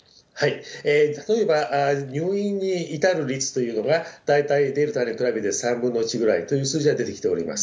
例えば入院に至る率というのが、大体デルタに比べて３分の１ぐらいという数字が出てきております。